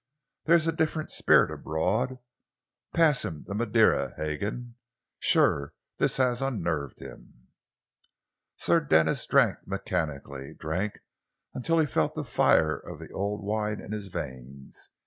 There's a different spirit abroad. Pass him the Madeira, Hagan. Sure, this has unnerved him!" Sir Denis drank mechanically, drank until he felt the fire of the old wine in his veins.